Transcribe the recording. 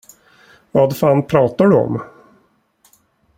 Vad fan pratar du om?